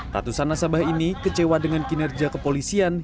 ratusan nasabah ini kecewa dengan kinerja kepolisian